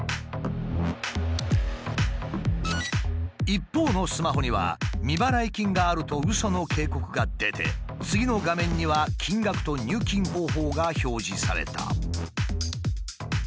一方のスマホには「未払い金がある」とうその警告が出て次の画面には金額と入金方法が表示された。